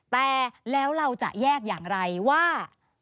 แต่แล้วเราจะแยกอย่างไรว่า